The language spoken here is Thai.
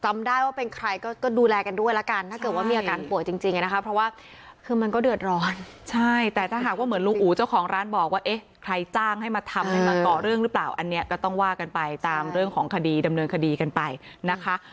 มาทำให้มันเกาะเรื่องรึเปล่าอันนี้ก็ต้องว่ากันไปตามเรื่องของคดีดำเนินคดีกันไปนะคะ